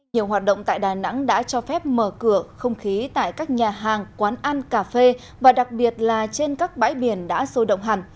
nhiều hoạt động tại đà nẵng đã cho phép mở cửa không khí tại các nhà hàng quán ăn cà phê và đặc biệt là trên các bãi biển đã sôi động hẳn